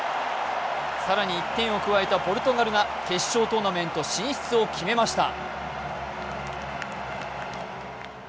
更に１点を加えたポルトガルが決勝トーナメント進出を決めました。